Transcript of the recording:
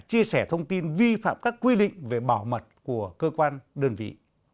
chia sẻ thông tin vi phạm các quy định về bảo mật của cơ quan đơn vị